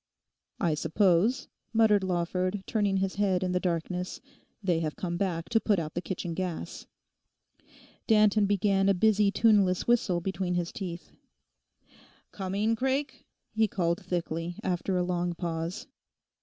'I suppose,' muttered Lawford, turning his head in the darkness, 'they have come back to put out the kitchen gas.' Danton began a busy tuneless whistle between his teeth. 'Coming, Craik?' he called thickly, after a long pause.